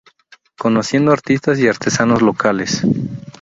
Conociendo artistas y artesanos locales.